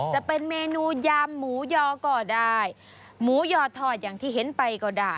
จะเป็นเมนูยามหมูยอก็ได้หมูยอทอดอย่างที่เห็นไปก็ได้